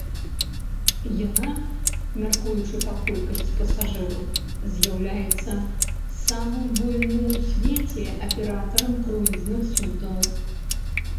Яна, мяркуючы па колькасці пасажыраў, з'яўляецца самым буйным у свеце аператарам круізных суднаў.